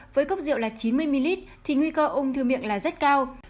với cốc rượu là chín mươi ml thì nguy cơ ung thư miệng là rất cao